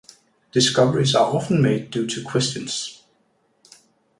Discoveries are often made due to questions.